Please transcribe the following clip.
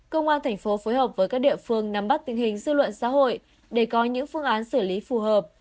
công an thành phố phối hợp với các địa phương nắm bắt tình hình dư luận xã hội để có những phương án xử lý phù hợp